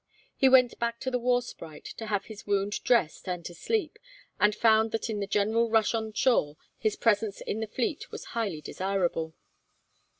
He went back to the 'War Sprite' to have his wound dressed and to sleep, and found that in the general rush on shore his presence in the fleet was highly desirable.